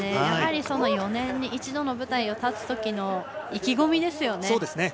やはり、４年に一度の舞台に立つときの意気込みですよね。